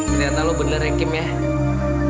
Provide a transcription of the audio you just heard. ternyata lo bener ya kim ya